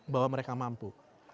bahwa mereka mampu